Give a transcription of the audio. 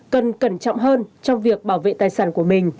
cần cẩn trọng hơn trong việc bảo vệ tài sản của mình